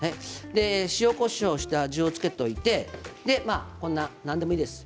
塩こしょうして味を付けておいて何でもいいです。